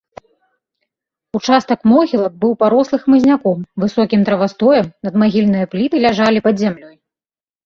Участак могілак быў парослы хмызняком, высокім травастоем, надмагільныя пліты ляжалі пад зямлёй.